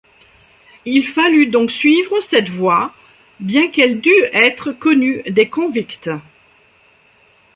Il fallut donc suivre cette voie, bien qu’elle dût être connue des convicts